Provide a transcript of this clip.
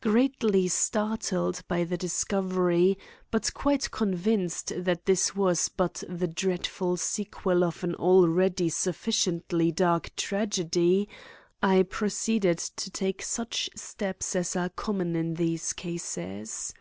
Greatly startled by the discovery, but quite convinced that this was but the dreadful sequel of an already sufficiently dark tragedy, I proceeded to take such steps as are common in these cases.